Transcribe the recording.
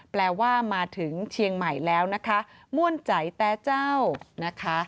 แปลว่ามาถึงเชียงใหม่แล้วนะคะม่วนใจแต้เจ้านะคะ